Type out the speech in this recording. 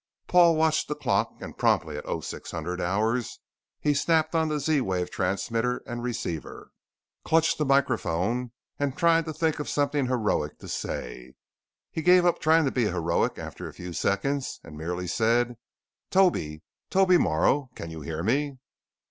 Paul watched the clock and promptly at 0600 hours he snapped on the Z wave transmitter and receiver, clutched the microphone and tried to think of something heroic to say. He gave up trying to be heroic after a few seconds, and merely said: "Toby! Toby Morrow! Can you hear me?"